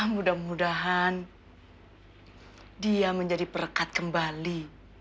mudah mudahan dia menjadi perekat kembali